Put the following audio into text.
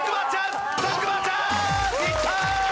いったー！